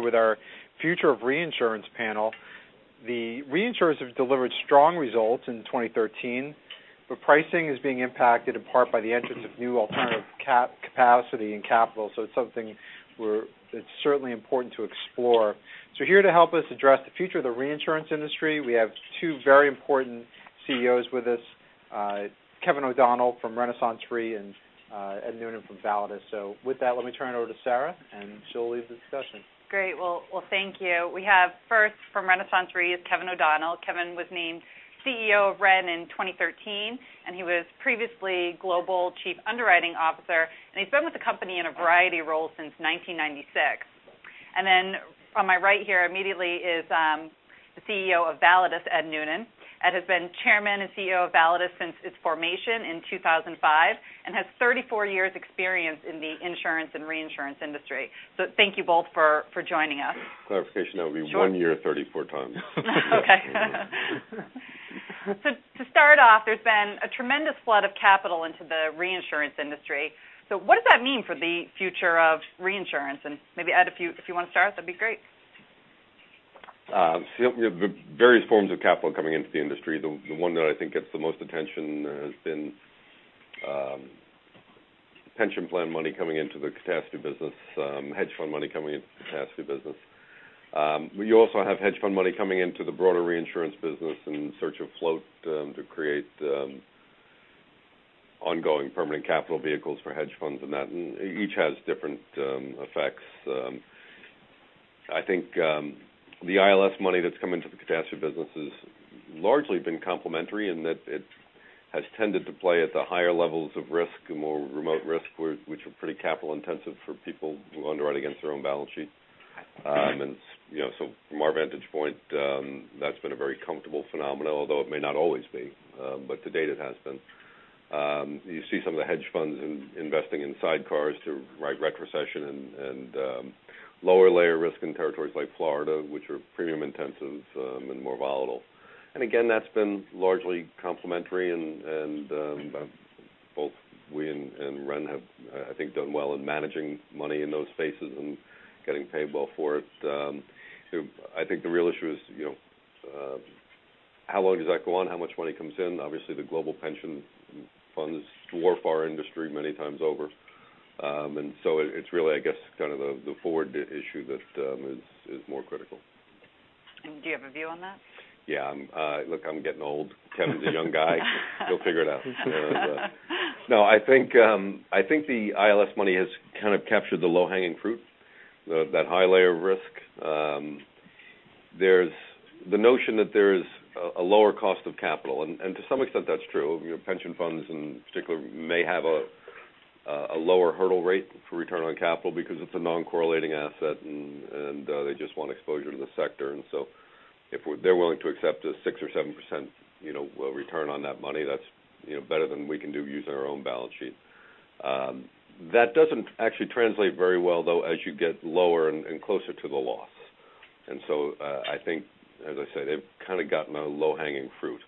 With our Future of Reinsurance panel. The reinsurers delivered strong results in 2013, where pricing is being impacted in part by the entrance of new alternative capacity and capital. It's something that's certainly important to explore. Here to help us address the future of the reinsurance industry, we have two very important CEOs with us, Kevin O'Donnell from RenaissanceRe, and Ed Noonan from Validus. With that, let me turn it over to Sarah, and she'll lead the discussion. Great. Well, thank you. We have first from RenaissanceRe is Kevin O'Donnell. Kevin was named CEO of Ren in 2013. He was previously global chief underwriting officer. He's been with the company in a variety of roles since 1996. Then on my right here immediately is the CEO of Validus, Ed Noonan. Ed has been chairman and CEO of Validus since its formation in 2005 and has 34 years experience in the insurance and reinsurance industry. Thank you both for joining us. Clarification. Sure. That would be one year, 34 times. Okay. To start off, there's been a tremendous flood of capital into the reinsurance industry. What does that mean for the future of reinsurance? Maybe, Ed, if you want to start, that'd be great. The various forms of capital coming into the industry, the one that I think gets the most attention has been pension plan money coming into the catastrophe business, hedge fund money coming into the catastrophe business. You also have hedge fund money coming into the broader reinsurance business in search of float to create ongoing permanent capital vehicles for hedge funds, and that each has different effects. I think the ILS money that's come into the catastrophe business has largely been complementary in that it has tended to play at the higher levels of risk and more remote risk, which are pretty capital intensive for people who underwrite against their own balance sheet. From our vantage point, that's been a very comfortable phenomenon, although it may not always be. To date it has been. You see some of the hedge funds investing in sidecars to write retrocession and lower layer risk in territories like Florida, which are premium intensive and more volatile. Again, that's been largely complementary and both we and RenRe have, I think, done well in managing money in those spaces and getting paid well for it. I think the real issue is how long does that go on? How much money comes in? Obviously, the global pension funds dwarf our industry many times over. It's really, I guess the forward issue that is more critical. Do you have a view on that? Yeah. Look, I'm getting old. Kevin's a young guy. He'll figure it out. No, I think the ILS money has kind of captured the low-hanging fruit, that high layer of risk. There's the notion that there is a lower cost of capital. To some extent, that's true. Pension funds in particular may have a lower hurdle rate for return on capital because it's a non-correlating asset, and they just want exposure to the sector. If they're willing to accept a 6% or 7% return on that money, that's better than we can do using our own balance sheet. That doesn't actually translate very well, though, as you get lower and closer to the loss. I think, as I said, they've kind of gotten a low-hanging fruit.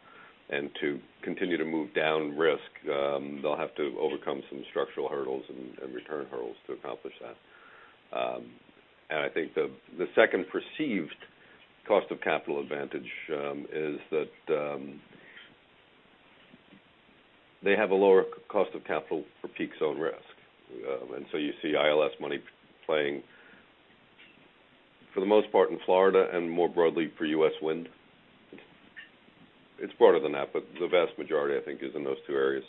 To continue to move down risk, they'll have to overcome some structural hurdles and return hurdles to accomplish that. I think the second perceived cost of capital advantage is that they have a lower cost of capital for peak zone risk. You see ILS money playing for the most part in Florida and more broadly for U.S. wind. It's broader than that, but the vast majority, I think, is in those two areas.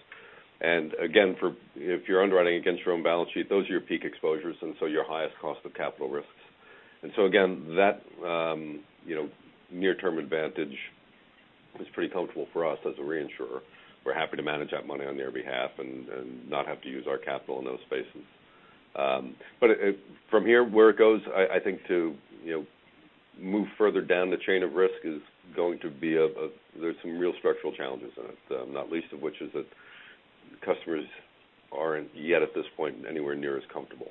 Again, if you're underwriting against your own balance sheet, those are your peak exposures, your highest cost of capital risks. Again, that near-term advantage is pretty comfortable for us as a reinsurer. We're happy to manage that money on their behalf and not have to use our capital in those spaces. From here, where it goes, I think to move further down the chain of risk is going to be there's some real structural challenges in it, not least of which is that customers aren't yet, at this point, anywhere near as comfortable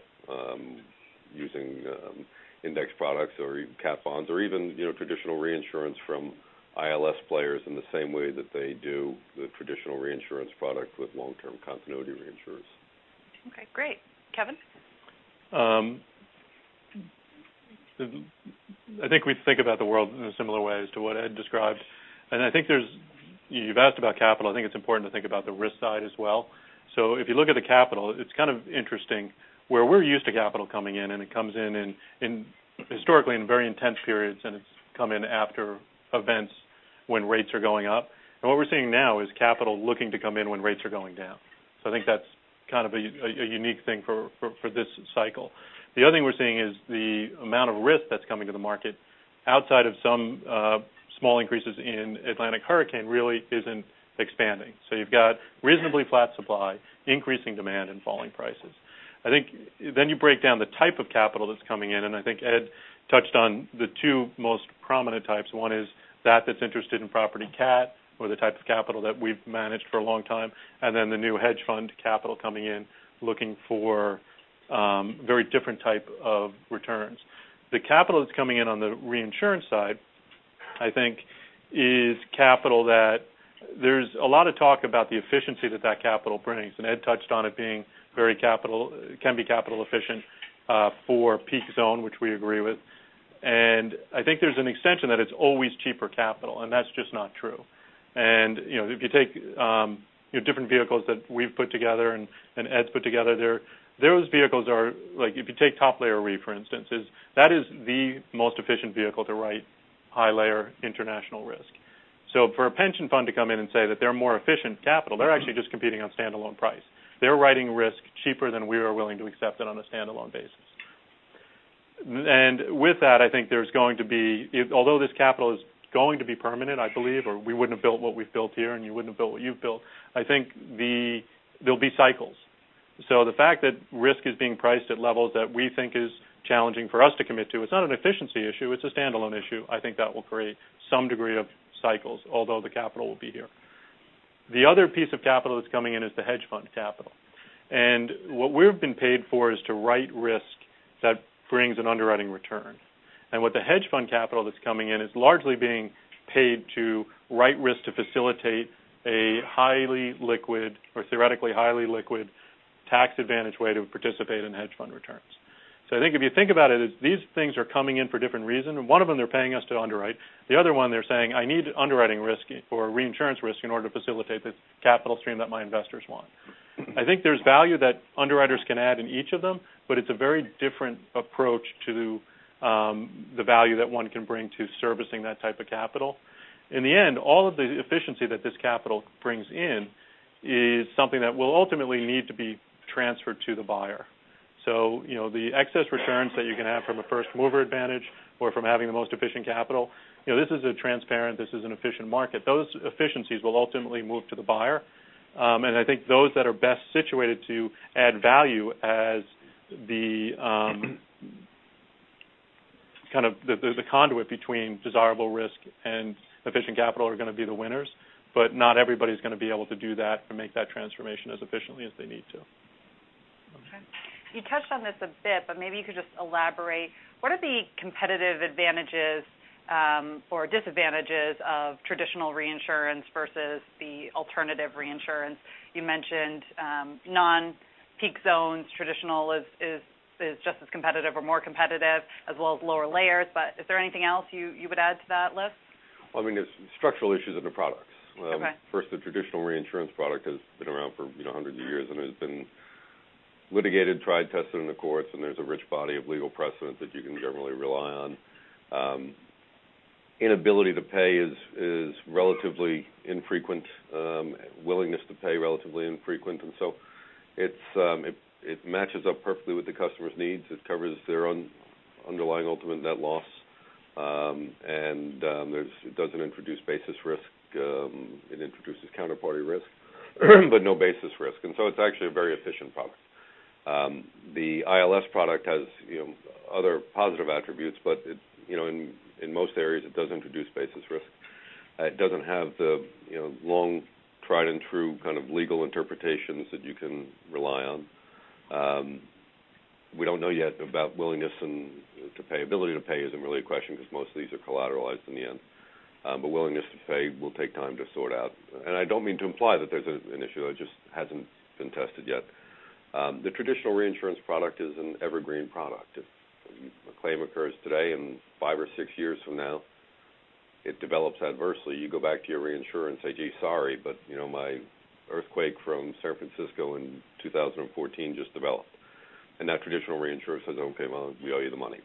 using index products or cat bonds or even traditional reinsurance from ILS players in the same way that they do the traditional reinsurance product with long-term continuity reinsurers. Okay, great. Kevin? I think we think about the world in a similar way as to what Ed described, I think you've asked about capital. I think it's important to think about the risk side as well. If you look at the capital, it's kind of interesting where we're used to capital coming in, it comes in historically in very intense periods, it's come in after events when rates are going up. What we're seeing now is capital looking to come in when rates are going down. I think that's kind of a unique thing for this cycle. The other thing we're seeing is the amount of risk that's coming to the market outside of some small increases in Atlantic hurricane really isn't expanding. You've got reasonably flat supply, increasing demand, and falling prices. I think you break down the type of capital that's coming in, and I think Ed touched on the two most prominent types. One is that that's interested in property cat or the type of capital that we've managed for a long time, and the new hedge fund capital coming in looking for very different type of returns. The capital that's coming in on the reinsurance side I think is capital that there's a lot of talk about the efficiency that that capital brings, and Ed touched on it being very capital, can be capital efficient for peak zone, which we agree with. I think there's an extension that it's always cheaper capital, and that's just not true. If you take different vehicles that we've put together and Ed's put together, those vehicles are like, if you take Top Layer Re, for instance, that is the most efficient vehicle to write high-layer international risk. For a pension fund to come in and say that they're more efficient capital, they're actually just competing on standalone price. They're writing risk cheaper than we are willing to accept it on a standalone basis. With that, I think there's going to be, although this capital is going to be permanent, I believe, or we wouldn't have built what we've built here, and you wouldn't have built what you've built. I think there'll be cycles. The fact that risk is being priced at levels that we think is challenging for us to commit to, it's not an efficiency issue, it's a standalone issue. I think that will create some degree of cycles, although the capital will be here. The other piece of capital that's coming in is the hedge fund capital. What we've been paid for is to write risk that brings an underwriting return. With the hedge fund capital that's coming in is largely being paid to write risk to facilitate a highly liquid or theoretically highly liquid tax advantage way to participate in hedge fund returns. I think if you think about it, these things are coming in for different reasons. One of them, they're paying us to underwrite. The other one, they're saying, "I need underwriting risk or reinsurance risk in order to facilitate this capital stream that my investors want." I think there's value that underwriters can add in each of them, but it's a very different approach to the value that one can bring to servicing that type of capital. In the end, all of the efficiency that this capital brings in is something that will ultimately need to be transferred to the buyer. The excess returns that you can have from a first-mover advantage or from having the most efficient capital, this is a transparent, this is an efficient market. Those efficiencies will ultimately move to the buyer. I think those that are best situated to add value as the conduit between desirable risk and efficient capital are going to be the winners, but not everybody's going to be able to do that or make that transformation as efficiently as they need to. Okay. You touched on this a bit, but maybe you could just elaborate. What are the competitive advantages or disadvantages of traditional reinsurance versus the alternative reinsurance? You mentioned non-peak zones, traditional is just as competitive or more competitive, as well as lower layers. Is there anything else you would add to that list? Well, there's structural issues in the products. Okay. First, the traditional reinsurance product has been around for hundreds of years, it has been litigated, tried, tested in the courts, there's a rich body of legal precedent that you can generally rely on. Inability to pay is relatively infrequent, willingness to pay relatively infrequent, it matches up perfectly with the customer's needs. It covers their underlying ultimate net loss. It doesn't introduce basis risk. It introduces counterparty risk, but no basis risk. It's actually a very efficient product. The ILS product has other positive attributes, but in most areas, it does introduce basis risk. It doesn't have the long tried and true kind of legal interpretations that you can rely on. We don't know yet about willingness to pay. Ability to pay isn't really a question because most of these are collateralized in the end. Willingness to pay will take time to sort out. I don't mean to imply that there's an issue. It just hasn't been tested yet. The traditional reinsurance product is an evergreen product. If a claim occurs today and 5 or 6 years from now it develops adversely, you go back to your reinsurer and say, "Gee, sorry, but my earthquake from San Francisco in 2014 just developed." That traditional reinsurer says, "Okay, well, we owe you the money."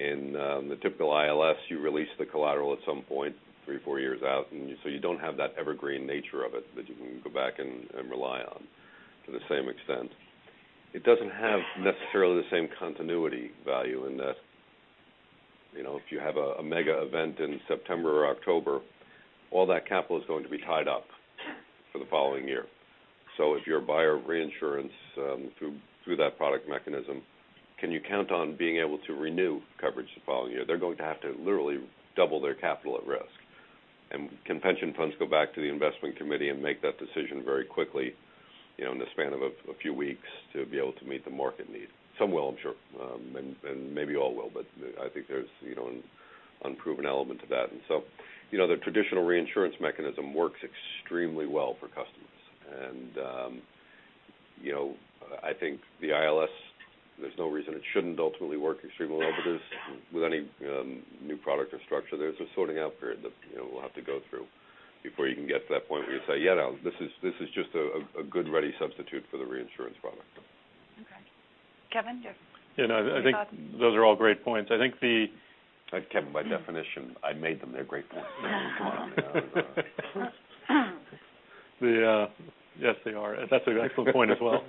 In the typical ILS, you release the collateral at some point 3 or 4 years out, you don't have that evergreen nature of it that you can go back and rely on to the same extent. It doesn't have necessarily the same continuity value in that if you have a mega event in September or October, all that capital is going to be tied up for the following year. If you're a buyer of reinsurance through that product mechanism, can you count on being able to renew coverage the following year? They're going to have to literally double their capital at risk. Can pension funds go back to the investment committee and make that decision very quickly in the span of a few weeks to be able to meet the market need? Some will, I'm sure. Maybe all will, but I think there's an unproven element to that. The traditional reinsurance mechanism works extremely well for customers. I think the ILS, there's no reason it shouldn't ultimately work extremely well, as with any new product or structure, there's a sorting out period that we'll have to go through before you can get to that point where you say, "Yeah, this is just a good ready substitute for the reinsurance product. Okay. Kevin? Your thoughts. Yeah, no, I think those are all great points. Kevin, by definition, I made them. They're great points. Come on. Yes, they are. That's an excellent point as well.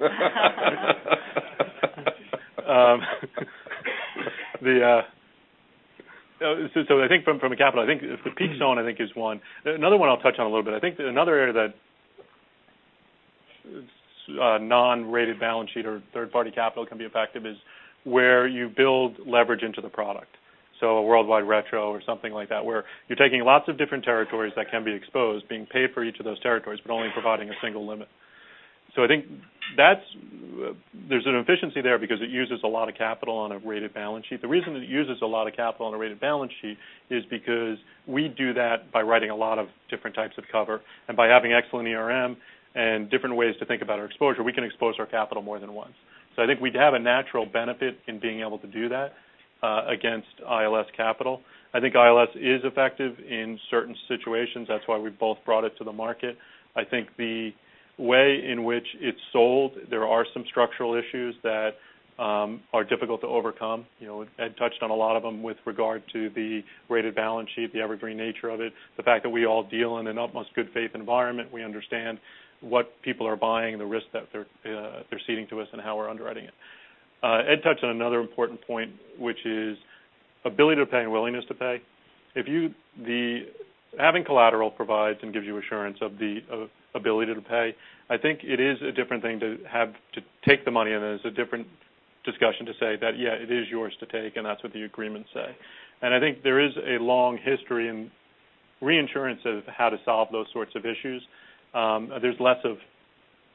I think from a capital, I think the peak zone is one. Another one I'll touch on a little bit, I think another area that non-rated balance sheet or third-party capital can be effective is where you build leverage into the product. A worldwide retro or something like that, where you're taking lots of different territories that can be exposed, being paid for each of those territories, but only providing a single limit. I think there's an efficiency there because it uses a lot of capital on a rated balance sheet. The reason it uses a lot of capital on a rated balance sheet is because we do that by writing a lot of different types of cover. By having excellent ERM and different ways to think about our exposure, we can expose our capital more than once. I think we have a natural benefit in being able to do that against ILS capital. I think ILS is effective in certain situations. That's why we both brought it to the market. I think the way in which it's sold, there are some structural issues that are difficult to overcome. Ed touched on a lot of them with regard to the rated balance sheet, the evergreen nature of it, the fact that we all deal in an utmost good faith environment. We understand what people are buying and the risk that they're ceding to us and how we're underwriting it. Ed touched on another important point, which is ability to pay and willingness to pay. Having collateral provides and gives you assurance of the ability to pay. I think it is a different thing to have to take the money, it's a different discussion to say that, "Yeah, it is yours to take," and that's what the agreements say. I think there is a long history in reinsurance of how to solve those sorts of issues. There's less of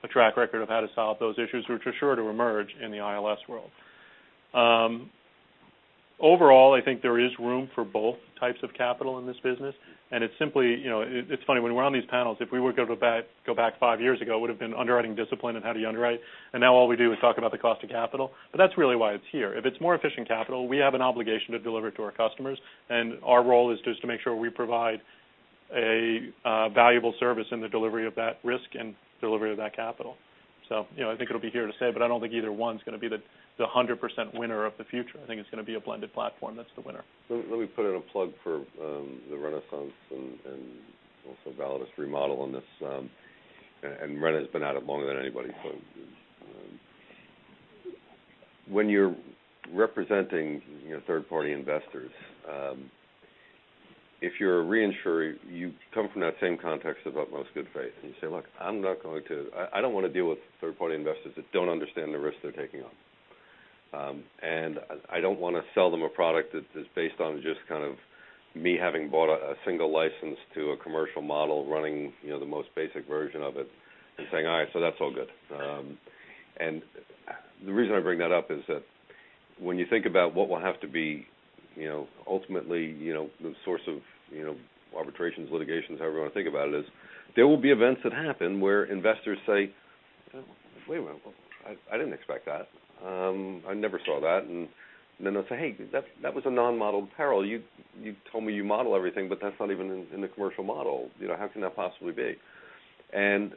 a track record of how to solve those issues, which are sure to emerge in the ILS world. Overall, I think there is room for both types of capital in this business, it's funny, when we're on these panels, if we were to go back 5 years ago, it would've been underwriting discipline and how do you underwrite. Now all we do is talk about the cost of capital. That's really why it's here. If it's more efficient capital, we have an obligation to deliver it to our customers. Our role is just to make sure we provide a valuable service in the delivery of that risk and delivery of that capital. I think it'll be here to stay, I don't think either one's going to be the 100% winner of the future. I think it's going to be a blended platform that's the winner. Let me put in a plug for the Renaissance and also Validus model on this. RenRe's been at it longer than anybody. When you're representing third-party investors, if you're a reinsurer, you come from that same context of utmost good faith, you say, "Look, I don't want to deal with third-party investors that don't understand the risk they're taking on. I don't want to sell them a product that is based on just me having bought a single license to a commercial model running the most basic version of it and saying, 'All right, so that's all good.'" The reason I bring that up is that when you think about what will have to be ultimately the source of arbitrations, litigations, however you want to think about it, is there will be events that happen where investors say, "Wait a minute. I didn't expect that. I never saw that." Then they'll say, "Hey, that was a non-modeled peril. You told me you model everything, but that's not even in the commercial model. How can that possibly be?" There's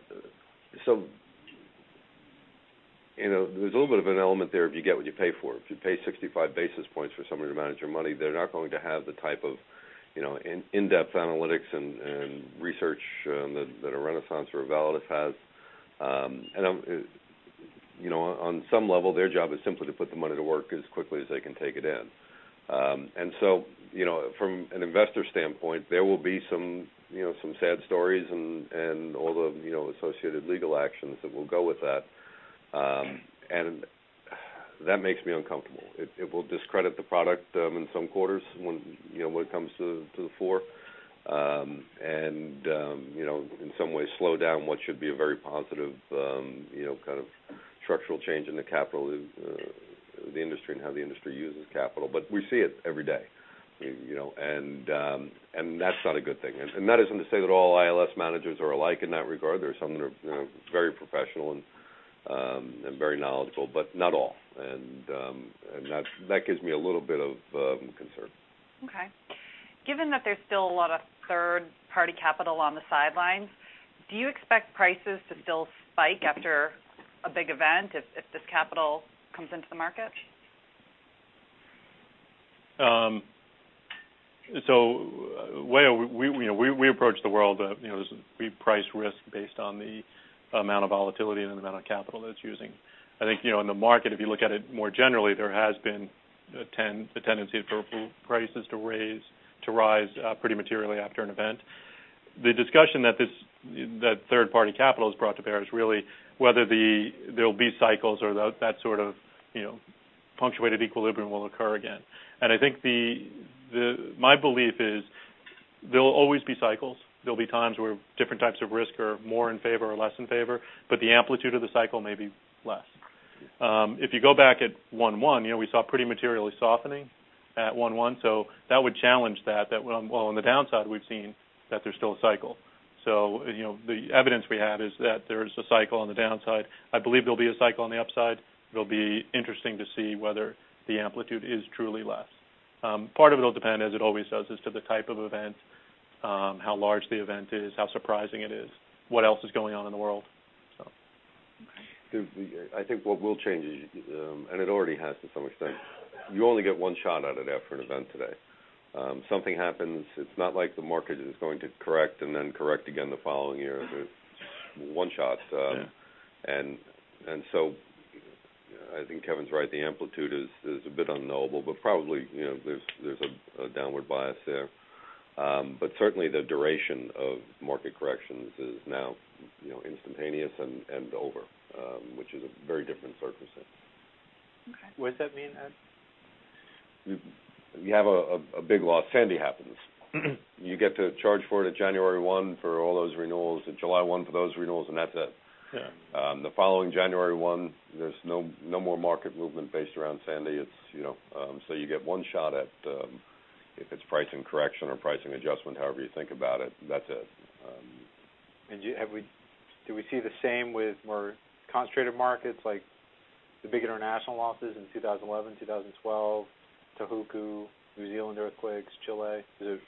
a little bit of an element there of you get what you pay for. If you pay 65 basis points for somebody to manage your money, they're not going to have the type of in-depth analytics and research that a Renaissance or a Validus has. On some level, their job is simply to put the money to work as quickly as they can take it in. From an investor standpoint, there will be some sad stories and all the associated legal actions that will go with that. That makes me uncomfortable. It will discredit the product in some quarters when it comes to the fore. In some ways, slow down what should be a very positive structural change in the capital, the industry, and how the industry uses capital. We see it every day. That's not a good thing. That isn't to say that all ILS managers are alike in that regard. There are some that are very professional and very knowledgeable, but not all. That gives me a little bit of concern. Okay. Given that there's still a lot of third-party capital on the sidelines, do you expect prices to still spike after a big event if this capital comes into the market? The way we approach the world, we price risk based on the amount of volatility and the amount of capital that it's using. I think, in the market, if you look at it more generally, there has been a tendency for prices to rise pretty materially after an event. The discussion that third-party capital has brought to bear is really whether there'll be cycles or that sort of punctuated equilibrium will occur again. I think my belief is there'll always be cycles. There'll be times where different types of risk are more in favor or less in favor, but the amplitude of the cycle may be less. If you go back at one-one, we saw pretty materially softening at one-one. That would challenge that. Well, on the downside, we've seen that there's still a cycle. The evidence we have is that there's a cycle on the downside. I believe there'll be a cycle on the upside. It'll be interesting to see whether the amplitude is truly less. Part of it'll depend, as it always does, as to the type of event, how large the event is, how surprising it is, what else is going on in the world. I think what will change is, it already has to some extent, you only get one shot at it after an event today. Something happens, it's not like the market is going to correct and then correct again the following year. One shot. Yeah. I think Kevin's right. The amplitude is a bit unknowable, but probably there's a downward bias there. Certainly the duration of market corrections is now instantaneous and over, which is a very different circumstance. Okay. What does that mean, Ed? You have a big loss. Sandy happens. You get to charge for it at January 1 for all those renewals, at July 1 for those renewals, that's it. Yeah. The following January 1, there's no more market movement based around Sandy. You get one shot at, if it's pricing correction or pricing adjustment, however you think about it, that's it. Do we see the same with more concentrated markets, like the big international losses in 2011, 2012, Tōhoku, New Zealand earthquakes, Chile? Is it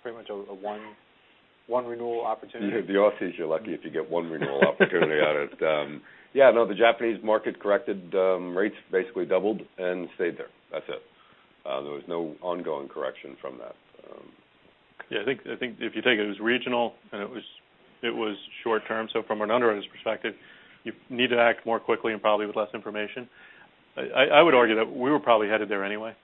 pretty much a one renewal opportunity? The Aussies, you're lucky if you get one renewal opportunity at it. Yeah, no, the Japanese market corrected. Rates basically doubled and stayed there. That's it. There was no ongoing correction from that. Yeah, I think if you take it was regional, and it was short-term. From an underwriter's perspective, you need to act more quickly and probably with less information. I would argue that we were probably headed there anyway.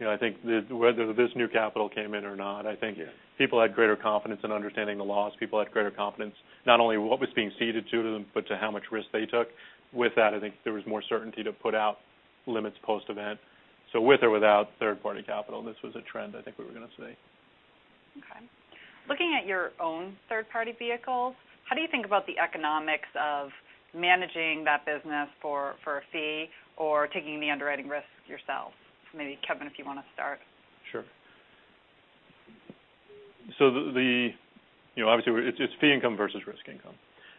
I think whether this new capital came in or not, I think people had greater confidence in understanding the loss. People had greater confidence, not only what was being ceded to them, but to how much risk they took. With that, I think there was more certainty to put out limits post-event. With or without third-party capital, this was a trend I think we were going to see. Okay. Looking at your own third-party vehicles, how do you think about the economics of managing that business for a fee or taking the underwriting risk yourselves? Maybe Kevin, if you want to start. Sure. Obviously, it's fee income versus risk income.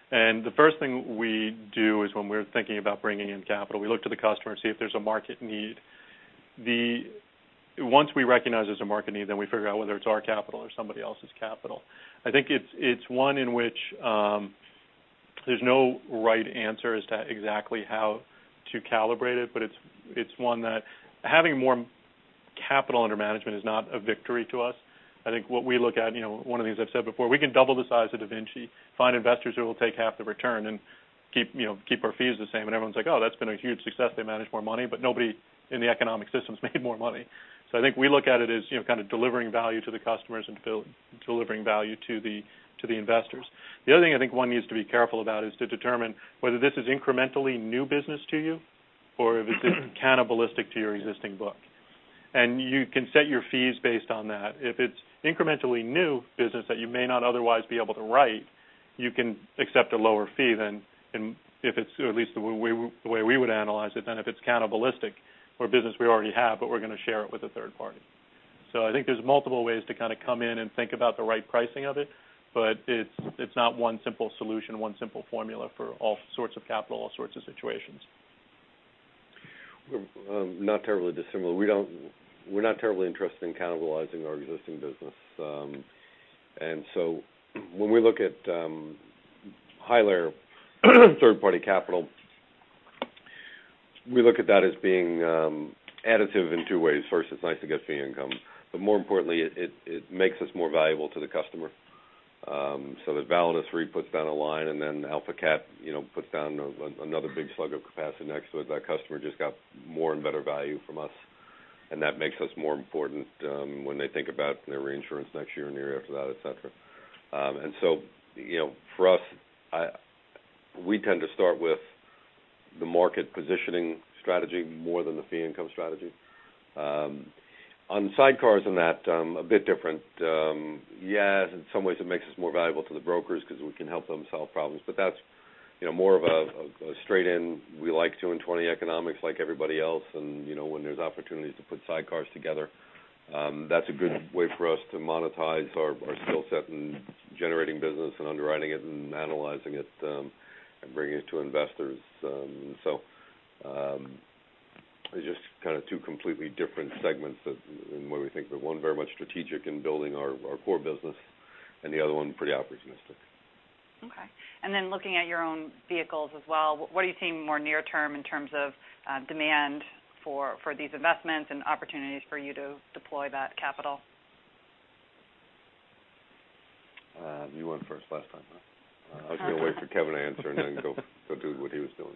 The first thing we do is when we're thinking about bringing in capital, we look to the customer and see if there's a market need. Once we recognize there's a market need, we figure out whether it's our capital or somebody else's capital. I think it's one in which there's no right answer as to exactly how to calibrate it, but it's one that having more capital under management is not a victory to us. I think what we look at, one of the things I've said before, we can double the size of DaVinci, find investors who will take half the return and keep our fees the same. Everyone's like, "Oh, that's been a huge success. They manage more money," but nobody in the economic system's made more money. I think we look at it as kind of delivering value to the customers and delivering value to the investors. The other thing I think one needs to be careful about is to determine whether this is incrementally new business to you or if it's cannibalistic to your existing book. You can set your fees based on that. If it's incrementally new business that you may not otherwise be able to write, you can accept a lower fee than if it's, at least the way we would analyze it, than if it's cannibalistic or business we already have, but we're going to share it with a third party. I think there's multiple ways to kind of come in and think about the right pricing of it, but it's not one simple solution, one simple formula for all sorts of capital, all sorts of situations. We're not terribly dissimilar. We're not terribly interested in cannibalizing our existing business. When we look at high-layer third-party capital, we look at that as being additive in two ways. First, it's nice to get fee income, more importantly, it makes us more valuable to the customer. If Validus Re puts down a line AlphaCat puts down another big slug of capacity next to it, that customer just got more and better value from us, and that makes us more important when they think about their reinsurance next year and the year after that, et cetera. For us, we tend to start with the market positioning strategy more than the fee income strategy. On sidecars and that, a bit different. Yeah, in some ways it makes us more valuable to the brokers because we can help them solve problems, but that's more of a straight in, we like 2 and 20 economics like everybody else, and when there's opportunities to put sidecars together, that's a good way for us to monetize our skill set in generating business and underwriting it and analyzing it and bringing it to investors. It's just kind of two completely different segments in the way we think. The one very much strategic in building our core business, and the other one pretty opportunistic. Okay. Looking at your own vehicles as well, what are you seeing more near term in terms of demand for these investments and opportunities for you to deploy that capital? You went first last time, huh? I was going to wait for Kevin to answer and then go do what he was doing.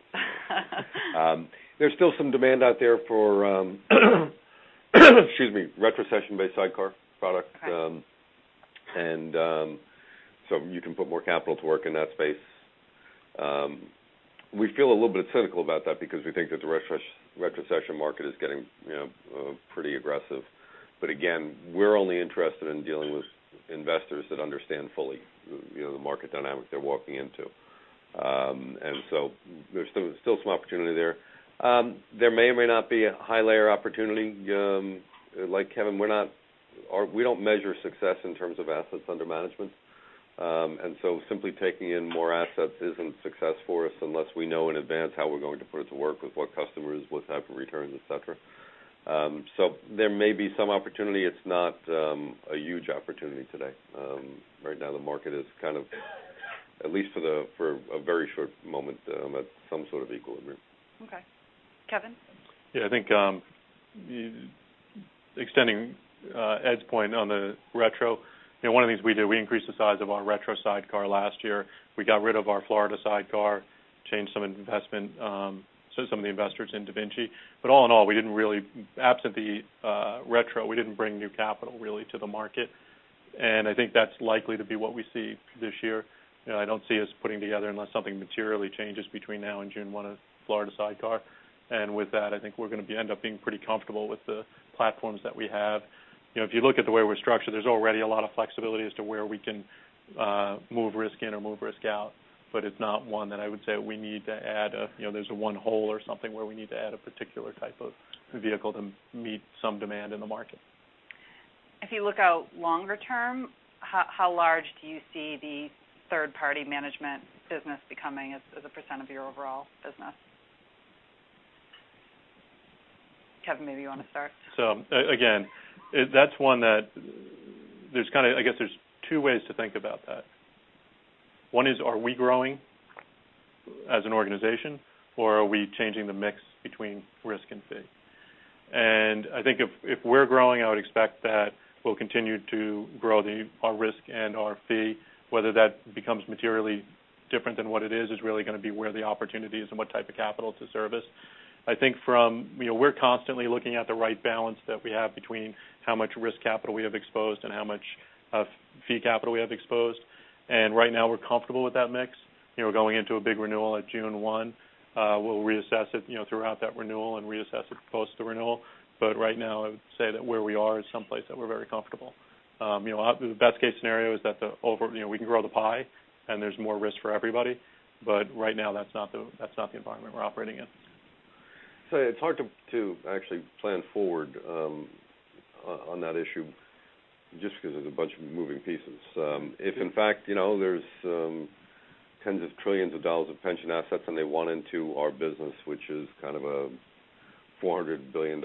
There's still some demand out there for retrocession-based sidecar product. Okay. You can put more capital to work in that space. We feel a little bit cynical about that because we think that the retrocession market is getting pretty aggressive. Again, we're only interested in dealing with investors that understand fully the market dynamics they're walking into. There's still some opportunity there. There may or may not be a high-layer opportunity. Like Kevin, we don't measure success in terms of assets under management. Simply taking in more assets isn't success for us unless we know in advance how we're going to put it to work with what customers, what type of returns, et cetera. There may be some opportunity. It's not a huge opportunity today. Right now, the market is kind of, at least for a very short moment, at some sort of equilibrium. Okay. Kevin? Yeah, I think extending Ed's point on the retro, one of the things we did, we increased the size of our retro sidecar last year. We got rid of our Florida sidecar, changed some of the investors in DaVinci. All in all, absent the retro, we didn't bring new capital really to the market. I think that's likely to be what we see this year. I don't see us putting together, unless something materially changes between now and June 1, a Florida sidecar. With that, I think we're going to end up being pretty comfortable with the platforms that we have. If you look at the way we're structured, there's already a lot of flexibility as to where we can move risk in or move risk out. It's not one that I would say. There's one hole or something where we need to add a particular type of vehicle to meet some demand in the market. If you look out longer term, how large do you see the third-party management business becoming as a % of your overall business? Kevin, maybe you want to start. Again, that's one that there's kind of, I guess there are two ways to think about that. One is, are we growing as an organization or are we changing the mix between risk and fee? I think if we're growing, I would expect that we'll continue to grow our risk and our fee. Whether that becomes materially different than what it is really going to be where the opportunity is and what type of capital to service. We're constantly looking at the right balance that we have between how much risk capital we have exposed and how much fee capital we have exposed. Right now we're comfortable with that mix. We're going into a big renewal at June 1. We'll reassess it throughout that renewal and reassess it post the renewal. Right now, I would say that where we are is someplace that we're very comfortable. The best case scenario is that we can grow the pie and there's more risk for everybody. Right now, that's not the environment we're operating in. It's hard to actually plan forward on that issue just because there are a bunch of moving pieces. If in fact there are tens of trillions of dollars of pension assets and they want into our business, which is kind of a $400 billion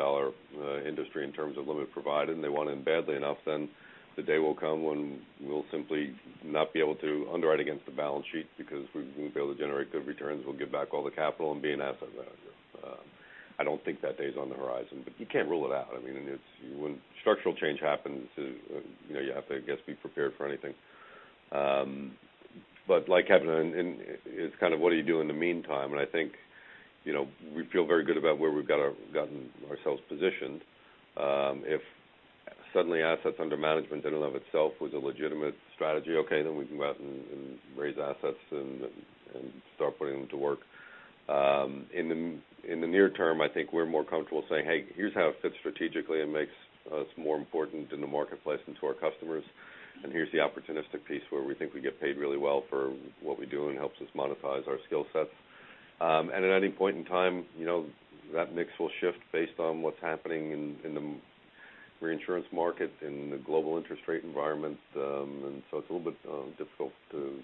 industry in terms of limit provided, and they want in badly enough, then the day will come when we'll simply not be able to underwrite against the balance sheet because we've been able to generate good returns. We'll give back all the capital and be an asset manager. I don't think that day's on the horizon, you can't rule it out. I mean, when structural change happens, you have to, I guess, be prepared for anything. Like Kevin, it's kind of what do you do in the meantime? I think we feel very good about where we've gotten ourselves positioned. If suddenly assets under management in and of itself were a legitimate strategy, okay, then we can go out and raise assets and start putting them to work. In the near term, I think we're more comfortable saying, "Hey, here's how it fits strategically and makes us more important in the marketplace and to our customers, and here's the opportunistic piece where we think we get paid really well for what we do and helps us monetize our skill sets." At any point in time that mix will shift based on what's happening in the reinsurance market, in the global interest rate environment. It's a little bit difficult to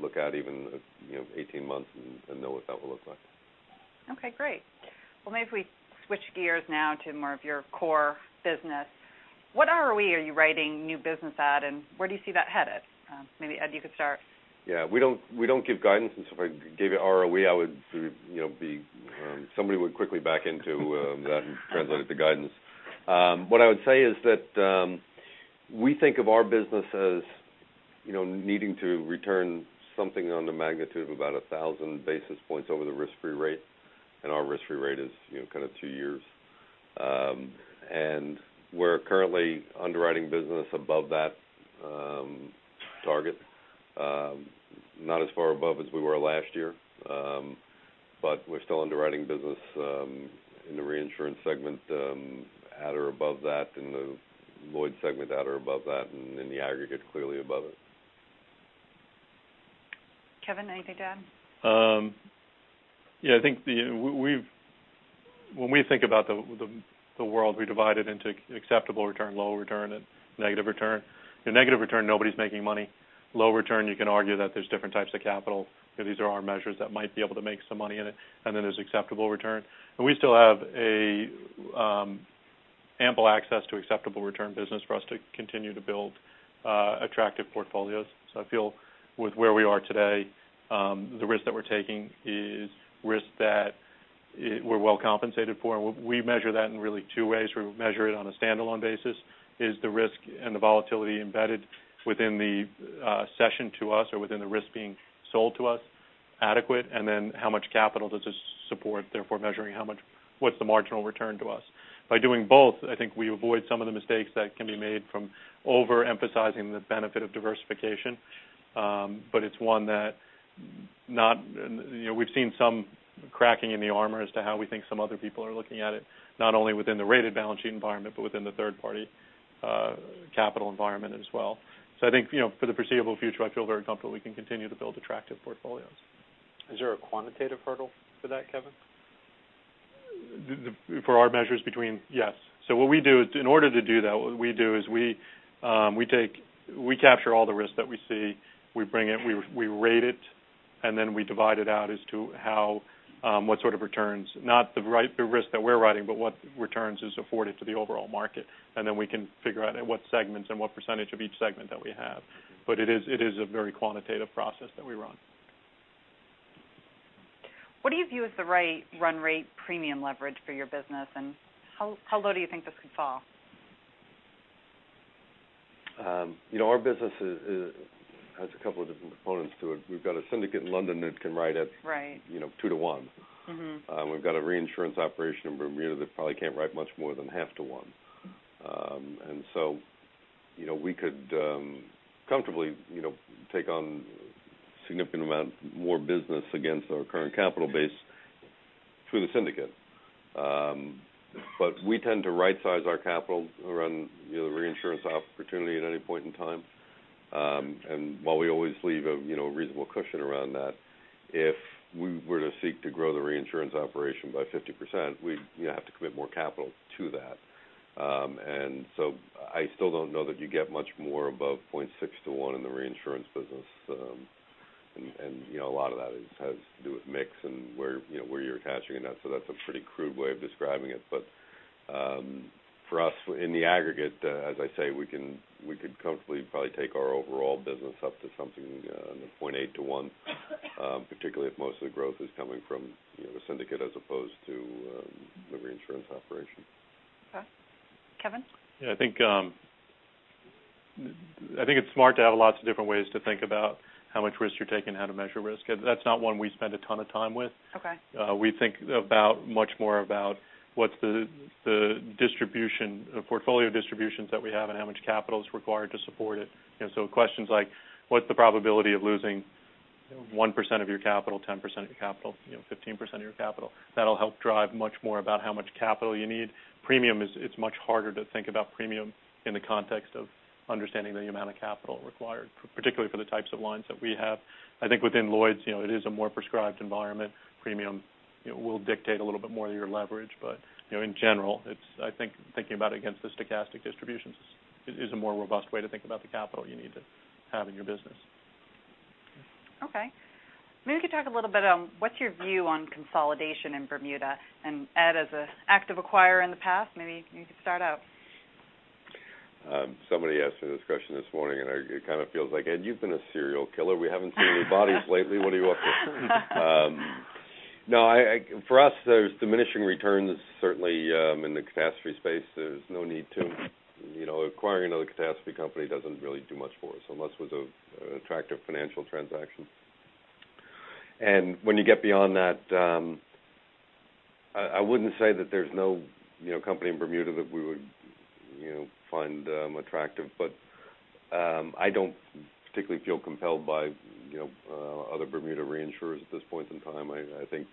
look out even 18 months and know what that will look like. Okay, great. Well, maybe if we switch gears now to more of your core business. What ROE are you writing new business at, and where do you see that headed? Maybe Ed, you could start. Yeah, we don't give guidance, and so if I gave you ROE, somebody would quickly back into that and translate it to guidance. What I would say is that we think of our business as needing to return something on the magnitude of about 1,000 basis points over the risk-free rate, and our risk-free rate is kind of two years. We're currently underwriting business above that target. Not as far above as we were last year, but we're still underwriting business in the reinsurance segment at or above that, in the Lloyd's segment at or above that, and in the aggregate, clearly above it. Kevin, anything to add? Yeah, I think when we think about the world, we divide it into acceptable return, low return, and negative return. The negative return, nobody's making money. Low return, you can argue that there's different types of capital. These are our measures that might be able to make some money in it. There's acceptable return. We still have ample access to acceptable return business for us to continue to build attractive portfolios. I feel with where we are today, the risk that we're taking is risk that we're well compensated for, and we measure that in really two ways. We measure it on a standalone basis. Is the risk and the volatility embedded within the session to us or within the risk being sold to us adequate? How much capital does this support, therefore measuring what's the marginal return to us? By doing both, I think we avoid some of the mistakes that can be made from overemphasizing the benefit of diversification. It's one that we've seen some cracking in the armor as to how we think some other people are looking at it, not only within the rated balance sheet environment, but within the third party capital environment as well. I think for the foreseeable future, I feel very comfortable we can continue to build attractive portfolios. Is there a quantitative hurdle for that, Kevin? For our measures between? Yes. What we do is in order to do that, what we do is we capture all the risk that we see, we bring it, we rate it, and then we divide it out as to what sort of returns, not the risk that we're writing, but what returns is afforded to the overall market. Then we can figure out at what segments and what percentage of each segment that we have. It is a very quantitative process that we run. What do you view as the right run rate premium leverage for your business, and how low do you think this could fall? Our business has a couple of different components to it. We've got a syndicate in London that can write. Right 2 to 1. We've got a reinsurance operation in Bermuda that probably can't write much more than half to one. We could comfortably take on a significant amount more business against our current capital base through the syndicate. We tend to right-size our capital around the reinsurance opportunity at any point in time. While we always leave a reasonable cushion around that, if we were to seek to grow the reinsurance operation by 50%, we have to commit more capital to that. I still don't know that you get much more above 0.6 to 1 in the reinsurance business. A lot of that has to do with mix and where you're attaching and that's a pretty crude way of describing it. For us, in the aggregate, as I say, we could comfortably probably take our overall business up to something in the 0.8 to 1, particularly if most of the growth is coming from the syndicate as opposed to the reinsurance operation. Okay. Kevin? Yeah, I think it's smart to have lots of different ways to think about how much risk you're taking, how to measure risk. That's not one we spend a ton of time with. Okay. We think much more about what's the portfolio distributions that we have and how much capital is required to support it. Questions like, what's the probability of losing 1% of your capital, 10% of your capital, 15% of your capital? That'll help drive much more about how much capital you need. Premium, it's much harder to think about premium in the context of understanding the amount of capital required, particularly for the types of lines that we have. I think within Lloyd's, it is a more prescribed environment. Premium will dictate a little bit more of your leverage. In general, I think thinking about it against the stochastic distributions is a more robust way to think about the capital you need to have in your business. Okay. Maybe you could talk a little bit on what's your view on consolidation in Bermuda, Ed, as an active acquirer in the past, maybe you could start out. It kind of feels like, "Ed, you've been a serial killer. We haven't seen any bodies lately. What are you up to?" No, for us, there's diminishing returns, certainly in the catastrophe space. There's no need to. Acquiring another catastrophe company doesn't really do much for us, unless it was an attractive financial transaction. When you get beyond that, I wouldn't say that there's no company in Bermuda that we would find attractive. I don't particularly feel compelled by other Bermuda reinsurers at this point in time. I think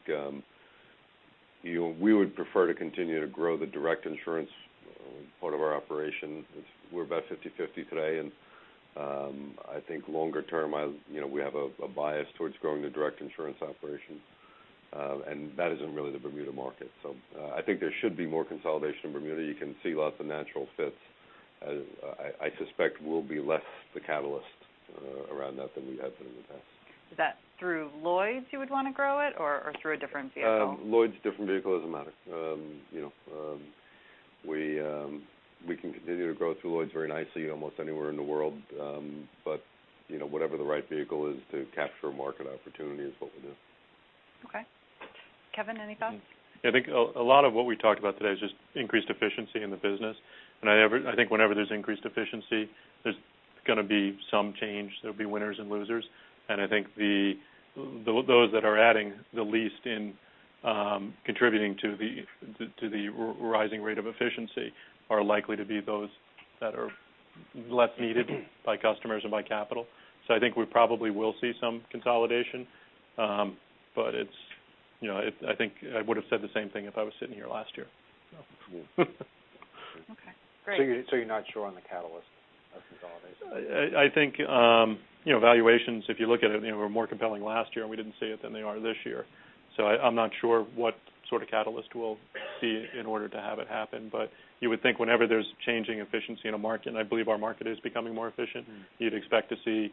we would prefer to continue to grow the direct insurance part of our operation. We're about 50/50 today, and I think longer term, we have a bias towards growing the direct insurance operation. That isn't really the Bermuda market. I think there should be more consolidation in Bermuda. You can see lots of natural fits. I suspect we'll be less the catalyst around that than we've been in the past. Is that through Lloyd's you would want to grow it or through a different vehicle? Lloyd's, different vehicle, doesn't matter. We can continue to grow through Lloyd's very nicely almost anywhere in the world. Whatever the right vehicle is to capture market opportunity is what we'll do. Okay. Kevin, any thoughts? I think a lot of what we talked about today is just increased efficiency in the business, and I think whenever there's increased efficiency, there's going to be some change. There'll be winners and losers, and I think those that are adding the least in contributing to the rising rate of efficiency are likely to be those that are less needed by customers and by capital. I think we probably will see some consolidation. I think I would've said the same thing if I was sitting here last year. Yeah. Okay, great. You're not sure on the catalyst of consolidation? I think valuations, if you look at it, were more compelling last year, and we didn't see it than they are this year. I'm not sure what sort of catalyst we'll see in order to have it happen. You would think whenever there's changing efficiency in a market, and I believe our market is becoming more efficient, you'd expect to see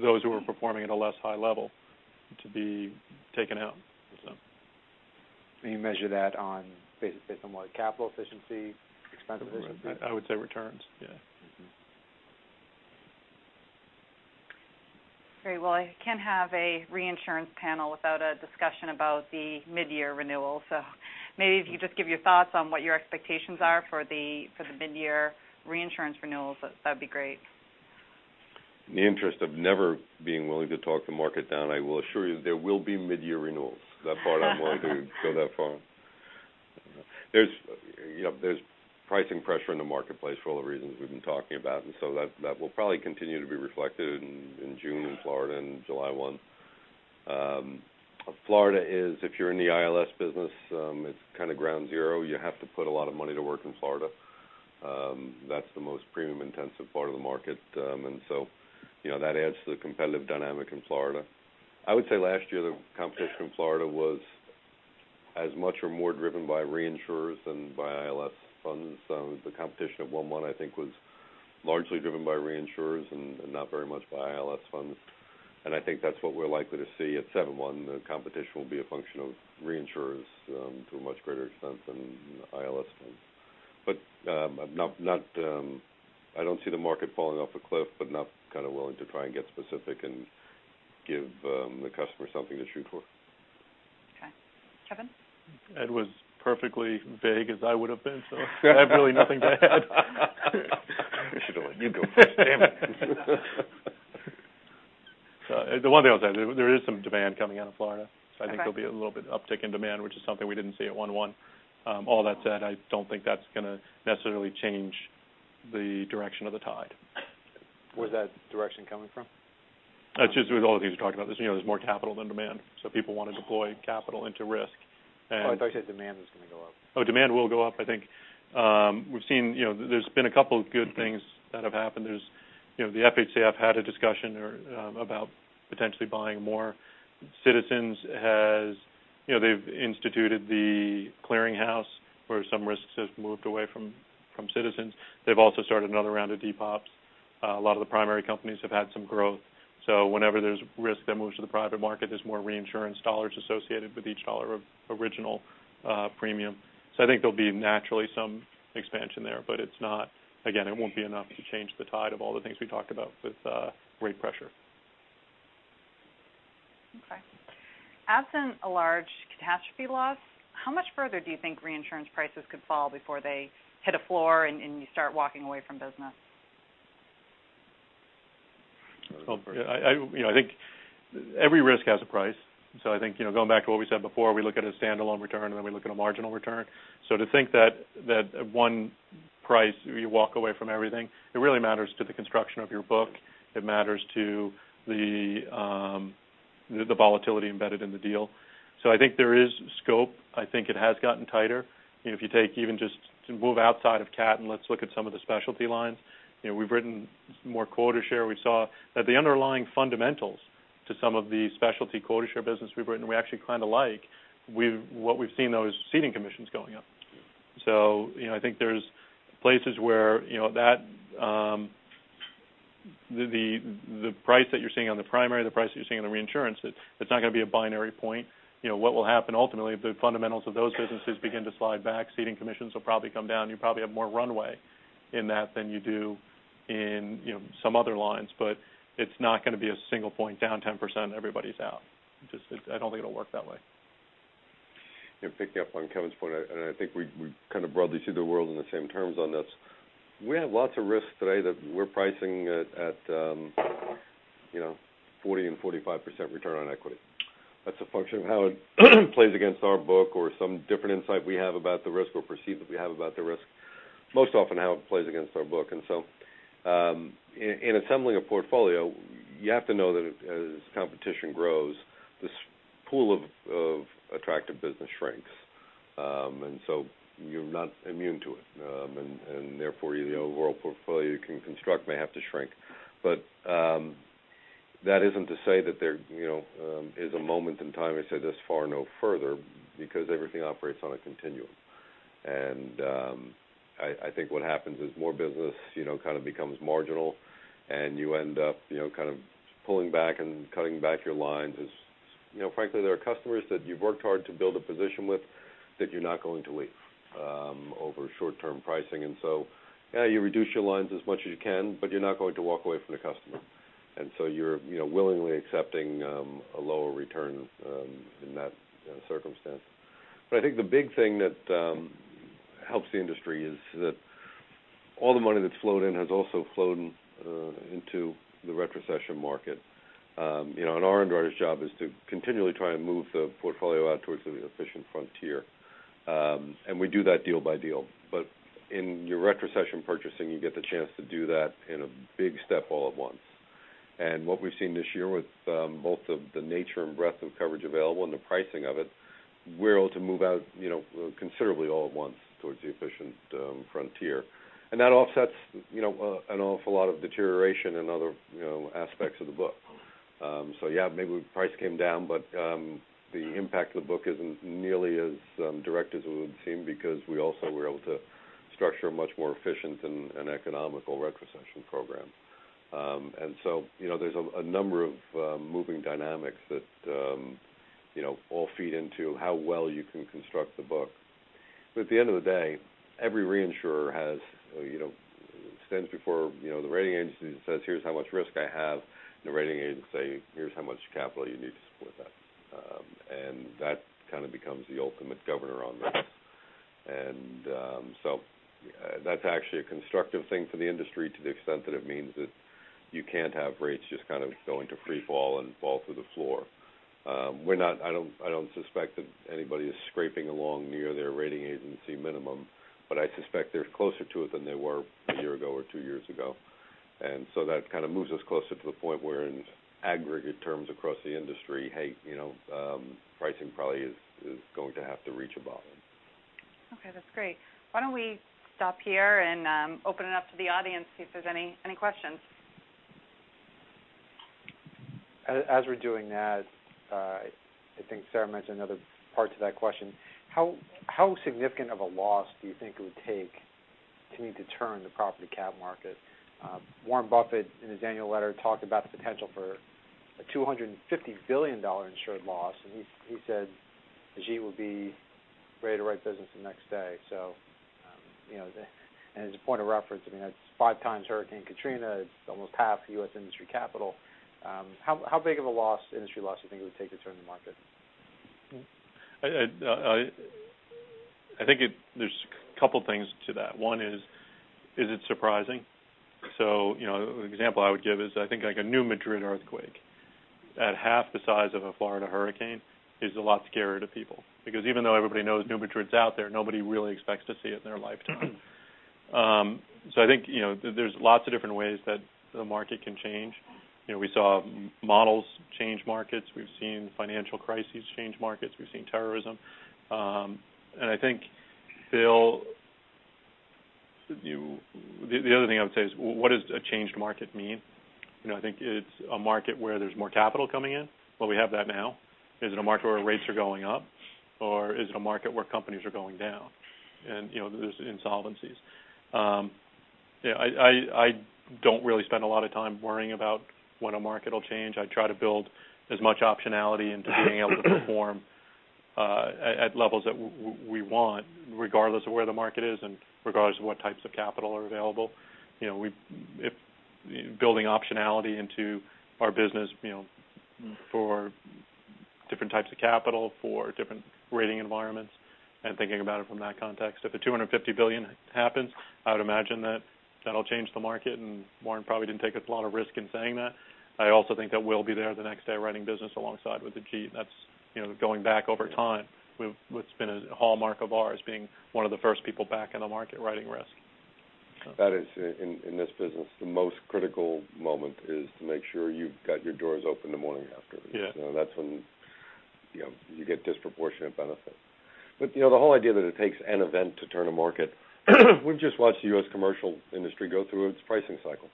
those who are performing at a less high level to be taken out. You measure that based on what? Capital efficiency, expense efficiency? I would say returns. Yeah. Great. Well, I can't have a reinsurance panel without a discussion about the mid-year renewal. Maybe if you just give your thoughts on what your expectations are for the mid-year reinsurance renewals, that'd be great. In the interest of never being willing to talk the market down, I will assure you there will be mid-year renewals. That far, I'm willing to go that far. There's pricing pressure in the marketplace for all the reasons we've been talking about, and so that will probably continue to be reflected in June in Florida and July 1. Florida is, if you're in the ILS business, it's kind of ground zero. You have to put a lot of money to work in Florida. That's the most premium-intensive part of the market. That adds to the competitive dynamic in Florida. I would say last year, the competition in Florida was as much or more driven by reinsurers than by ILS funds. The competition at 1/1, I think, was largely driven by reinsurers and not very much by ILS funds. I think that's what we're likely to see at 7/1. The competition will be a function of reinsurers to a much greater extent than ILS funds. I don't see the market falling off a cliff, but not kind of willing to try and get specific and give the customer something to shoot for. Okay. Kevin? Ed was perfectly vague as I would've been, so I have really nothing to add. We should have let you go first. Damn it. The one thing I'll say, there is some demand coming out of Florida. Okay. I think there'll be a little bit of uptick in demand, which is something we didn't see at one one. All that said, I don't think that's going to necessarily change the direction of the tide. Where's that direction coming from? It's just with all the things we talked about. There's more capital than demand, people want to deploy capital into risk and- I thought you said demand was going to go up. Demand will go up. I think we've seen there's been a couple of good things that have happened. The FHCF had a discussion about potentially buying more. Citizens, they've instituted the clearinghouse where some risks have moved away from Citizens. They've also started another round of DPoPs. A lot of the primary companies have had some growth. Whenever there's risk that moves to the private market, there's more reinsurance dollars associated with each dollar of original premium. I think there'll be naturally some expansion there, again, it won't be enough to change the tide of all the things we talked about with rate pressure. Okay. Absent a large catastrophe loss, how much further do you think reinsurance prices could fall before they hit a floor and you start walking away from business? I'll go first. I think every risk has a price. I think, going back to what we said before, we look at a standalone return, and then we look at a marginal return. To think that at one price you walk away from everything, it really matters to the construction of your book. It matters to the volatility embedded in the deal. I think there is scope. I think it has gotten tighter. If you take even just to move outside of cat, and let's look at some of the specialty lines. We've written more quota share. We saw that the underlying fundamentals to some of the specialty quota share business we've written, we actually kind of like. What we've seen, though, is ceding commissions going up. I think there's places where the price that you're seeing on the primary, the price that you're seeing on the reinsurance, it's not going to be a binary point. What will happen ultimately, if the fundamentals of those businesses begin to slide back, ceding commissions will probably come down. You probably have more runway in that than you do in some other lines, but it's not going to be a single point down 10%, everybody's out. I don't think it'll work that way. Picking up on Kevin's point, I think we kind of broadly see the world in the same terms on this. We have lots of risks today that we're pricing at 40 and 45% return on equity. That's a function of how it plays against our book or some different insight we have about the risk or perceive that we have about the risk. Most often how it plays against our book. In assembling a portfolio, you have to know that as competition grows, this pool of attractive business shrinks. You're not immune to it. Therefore, the overall portfolio you can construct may have to shrink. That isn't to say that there is a moment in time I say, "Thus far, no further," because everything operates on a continuum. I think what happens is more business kind of becomes marginal, and you end up kind of pulling back and cutting back your lines as frankly, there are customers that you've worked hard to build a position with that you're not going to leave over short-term pricing. You reduce your lines as much as you can, but you're not going to walk away from the customer. You're willingly accepting a lower return in that circumstance. I think the big thing that helps the industry is that all the money that's flowed in has also flowed into the retrocession market. Our job is to continually try and move the portfolio out towards the efficient frontier. We do that deal by deal. In your retrocession purchasing, you get the chance to do that in a big step all at once. What we've seen this year with both of the nature and breadth of coverage available and the pricing of it, we're able to move out considerably all at once towards the efficient frontier. That offsets an awful lot of deterioration in other aspects of the book. Yeah, maybe price came down, but the impact of the book isn't nearly as direct as it would seem because we also were able to structure a much more efficient and economical retrocession program. There's a number of moving dynamics that all feed into how well you can construct the book. At the end of the day, every reinsurer stands before the rating agency that says, "Here's how much risk I have," and the rating agents say, "Here's how much capital you need to support that." That kind of becomes the ultimate governor on risk. That's actually a constructive thing for the industry to the extent that it means that you can't have rates just kind of go into free fall and fall through the floor. I don't suspect that anybody is scraping along near their rating agency minimum, but I suspect they're closer to it than they were a year ago or two years ago. That kind of moves us closer to the point where in aggregate terms across the industry, hey, pricing probably is going to have to reach a bottom. Okay. That's great. Why don't we stop here and open it up to the audience, see if there's any questions. As we're doing that, I think Sarah mentioned another part to that question. How significant of a loss do you think it would take to need to turn the property cat market? Warren Buffett, in his annual letter, talked about the potential for a $250 billion insured loss. He said Ajit would be ready to write business the next day. As a point of reference, that's five times Hurricane Katrina. It's almost half the U.S. industry capital. How big of an industry loss do you think it would take to turn the market? I think there's a couple things to that. One is it surprising? An example I would give is, I think like a New Madrid earthquake at half the size of a Florida hurricane is a lot scarier to people. Because even though everybody knows New Madrid's out there, nobody really expects to see it in their lifetime. I think there's lots of different ways that the market can change. We saw models change markets. We've seen financial crises change markets. We've seen terrorism. I think, Bill, the other thing I would say is, what does a changed market mean? I think it's a market where there's more capital coming in, but we have that now. Is it a market where rates are going up? Or is it a market where companies are going down? There's insolvencies. I don't really spend a lot of time worrying about when a market will change. I try to build as much optionality into being able to perform at levels that we want, regardless of where the market is and regardless of what types of capital are available. Building optionality into our business for different types of capital, for different rating environments, and thinking about it from that context. If a $250 billion happens, I would imagine that that'll change the market. Warren probably didn't take a lot of risk in saying that. I also think that we'll be there the next day writing business alongside with the G. That's going back over time. What's been a hallmark of ours, being one of the first people back in the market writing risk. That is, in this business, the most critical moment is to make sure you've got your doors open the morning after. Yeah. That's when you get disproportionate benefit. The whole idea that it takes an event to turn a market, we've just watched the U.S. commercial industry go through its pricing cycle.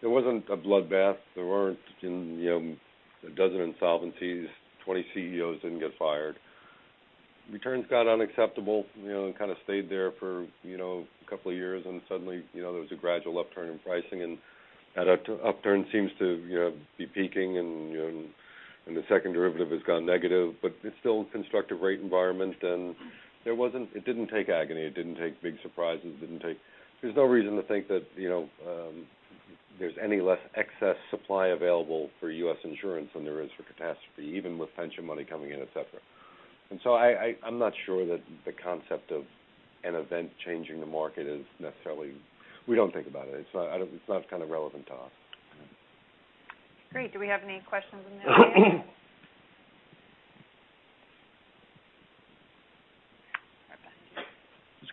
There wasn't a bloodbath. There weren't 12 insolvencies. 20 CEOs didn't get fired. Returns got unacceptable, kind of stayed there for a couple of years, suddenly, there was a gradual upturn in pricing, that upturn seems to be peaking, the second derivative has gone negative. It's still a constructive rate environment, it didn't take agony. It didn't take big surprises. There's no reason to think that there's any less excess supply available for U.S. insurance than there is for catastrophe, even with pension money coming in, et cetera. I'm not sure that the concept of an event changing the market is necessarily. We don't think about it. It's not relevant to us. Great. Do we have any questions on that? Just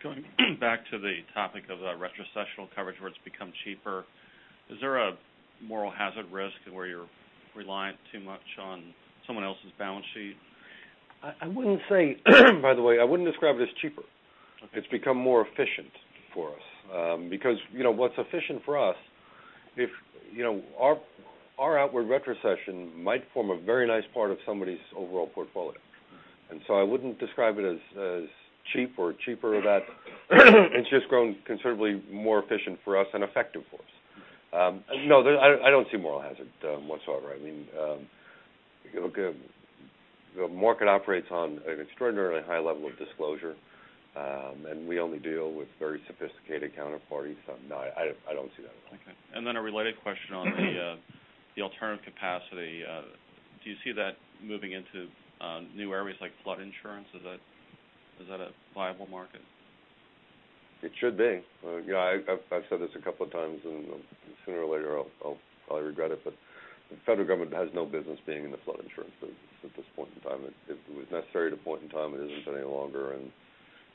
going back to the topic of retrocessional coverage where it's become cheaper, is there a moral hazard risk where you're reliant too much on someone else's balance sheet? By the way, I wouldn't describe it as cheaper. Okay. It's become more efficient for us. What's efficient for us, our outward retrocession might form a very nice part of somebody's overall portfolio. I wouldn't describe it as cheap or cheaper or that. It's just grown considerably more efficient for us and effective for us. No, I don't see moral hazard whatsoever. The market operates on an extraordinarily high level of disclosure, and we only deal with very sophisticated counterparties. No, I don't see that at all. Okay. A related question on the alternative capacity. Do you see that moving into new areas like flood insurance? Is that a viable market? It should be. I've said this a couple of times, sooner or later, I'll probably regret it, but the federal government has no business being in the flood insurance business at this point in time. It was necessary at a point in time. It isn't any longer,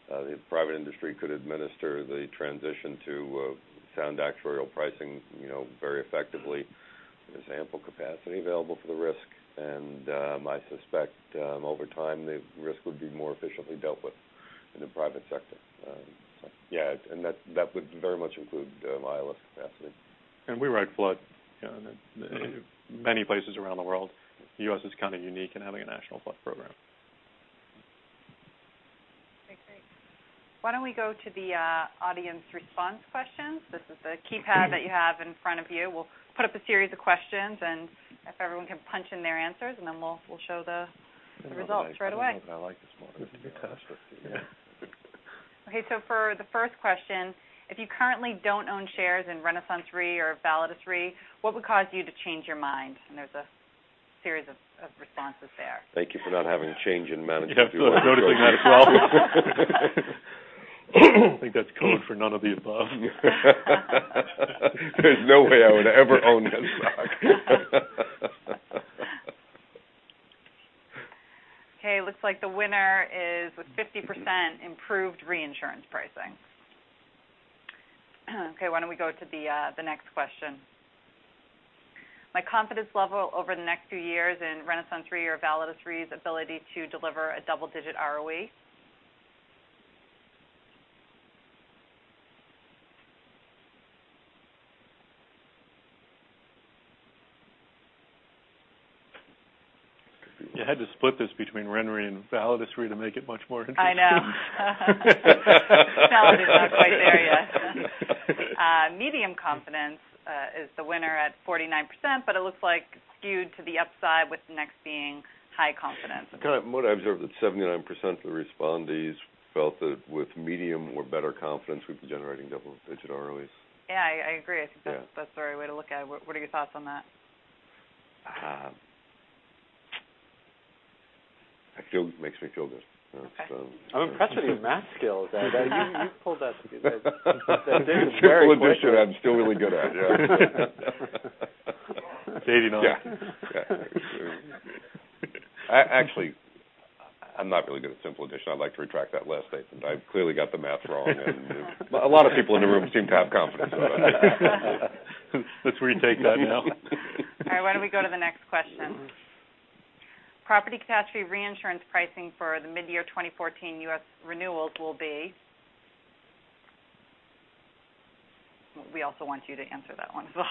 the private industry could administer the transition to sound actuarial pricing very effectively. There's ample capacity available for the risk, I suspect over time, the risk would be more efficiently dealt with in the private sector. Yeah. That would very much include my ILS capacity. We write flood in many places around the world. The U.S. is kind of unique in having a national flood program. Okay, great. Why don't we go to the audience response questions? This is the keypad that you have in front of you. We'll put up a series of questions, if everyone can punch in their answers, then we'll show the results right away. I don't even know if I like this one. It's a catastrophe. Yeah. For the first question, if you currently don't own shares in RenaissanceRe or Validus Re, what would cause you to change your mind? There's a series of responses there. Thank you for not having change in management. Yeah, I was noticing that as well. I think that's code for none of the above. There's no way I would ever own that stock. Okay, looks like the winner is, with 50%, improved reinsurance pricing. Okay, why don't we go to the next question. My confidence level over the next few years in RenaissanceRe or Validus Re's ability to deliver a double-digit ROE. You had to split this between RenRe and Validus Re to make it much more interesting. I know. Validus is not quite there yet. Medium confidence is the winner at 49%, but it looks like skewed to the upside with the next being high confidence. Kind of what I observed, that 79% of the respondees felt that with medium or better confidence, we'd be generating double-digit ROEs. Yeah, I agree. Yeah. I think that's the right way to look at it. What are your thoughts on that? It makes me feel good. Okay. I'm impressed with your math skills, Ed. Simple addition I'm still really good at, yeah. It's 89. Yeah. Actually, I'm not really good at simple addition. I'd like to retract that last statement. I've clearly got the math wrong. A lot of people in the room seem to have confidence in it. Let's retake that now. All right, why don't we go to the next question? Property catastrophe reinsurance pricing for the mid-year 2014 U.S. renewals will be We also want you to answer that one as well.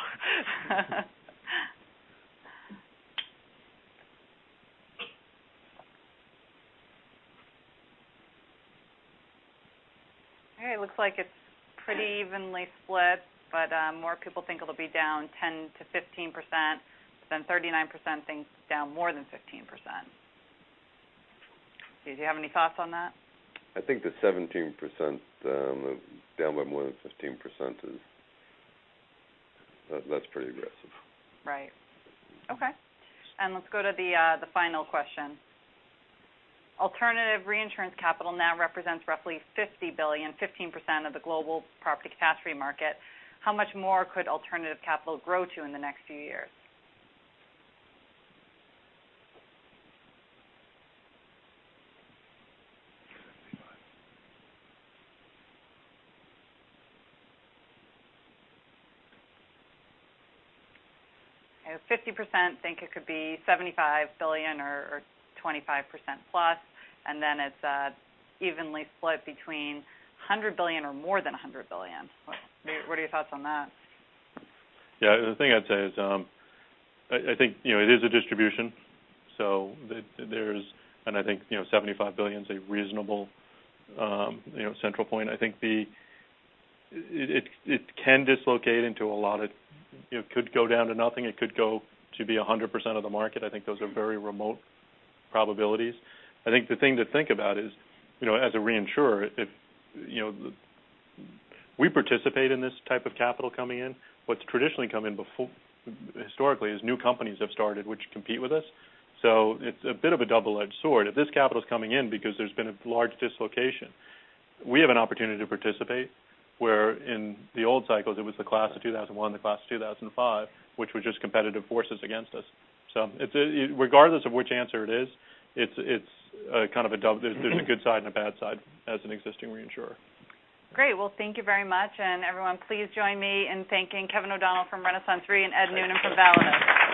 Okay, it looks like it's pretty evenly split, but more people think it'll be down 10%-15%, then 39% think down more than 15%. Do you have any thoughts on that? I think the 17%, down by more than 15%, that's pretty aggressive. Right. Okay. Let's go to the final question. Alternative reinsurance capital now represents roughly $50 billion, 15% of the global property catastrophe market. How much more could alternative capital grow to in the next few years? 50% think it could be $75 billion or 25%+, it's evenly split between $100 billion or more than $100 billion. What are your thoughts on that? The thing I'd say is, I think it is a distribution, I think $75 billion is a reasonable central point. I think it can dislocate into nothing. It could go to be 100% of the market. I think those are very remote probabilities. I think the thing to think about is, as a reinsurer, we participate in this type of capital coming in. What's traditionally come in historically is new companies have started, which compete with us. It's a bit of a double-edged sword. If this capital's coming in because there's been a large dislocation, we have an opportunity to participate, where in the old cycles, it was the class of 2001, the class of 2005, which was just competitive forces against us. Regardless of which answer it is, there's a good side and a bad side as an existing reinsurer. Great. Well, thank you very much. Everyone, please join me in thanking Kevin O'Donnell from RenaissanceRe and Ed Noonan from Validus. Thank you.